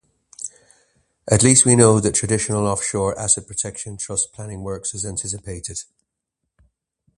At least we know that traditional offshore asset protection trust planning works as anticipated.